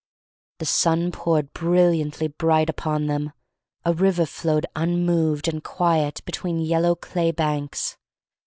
The sun poured brilliantly bright upon them. A river flowed un moved and quiet between yellow clay banks.